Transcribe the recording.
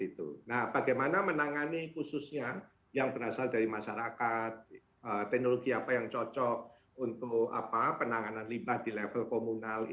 itu nah bagaimana menangani khususnya yang berasal dari masyarakat teknologi apa yang cocok untuk apa